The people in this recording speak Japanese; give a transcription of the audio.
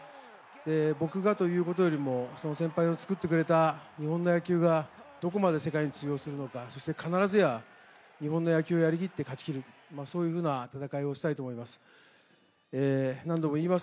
僕がということよりもその先輩の作ってくれた日本の野球がどこまで世界に通用するのか必ずや日本の野球をやりきって勝ちきる、そういうふうな戦いをしたいと思います。